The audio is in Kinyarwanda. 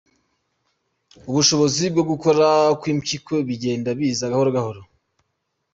ubushobozi bwo gukora kw’impyiko bigenda biza gahoro gahoro.